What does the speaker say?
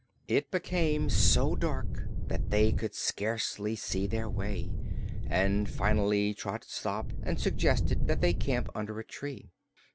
It became so dark that they could scarcely see their way, and finally Trot stopped and suggested that they camp under a tree.